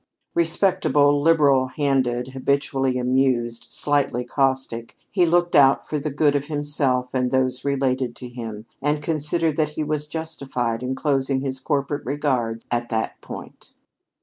Respectable, liberal handed, habitually amused, slightly caustic, he looked out for the good of himself and those related to him and considered that he was justified in closing his corporate regards at that point.